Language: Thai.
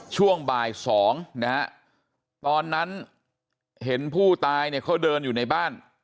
ช่วงบ่าย๒นะฮะตอนนั้นเห็นผู้ตายเนี่ยเขาเดินอยู่ในบ้าน